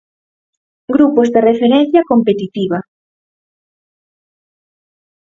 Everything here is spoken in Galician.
Grupos de referencia competitiva.